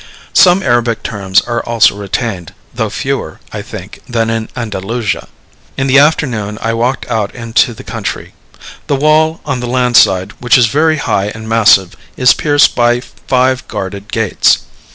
Some Arabic terms are also retained, though fewer, I think, than in Andalusia. In the afternoon I walked out into the country. The wall, on the land side, which is very high and massive, is pierced by five guarded gates.